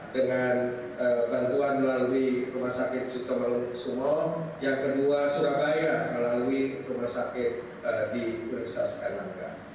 dengan bantuan melalui rumah sakit cipto malukusono yang kedua surabaya melalui rumah sakit di universitas erlangga